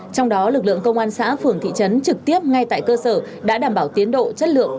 trong đó lực lượng công an xã phường thị trấn trực tiếp ngay tại cơ sở đã đảm bảo tiến độ chất lượng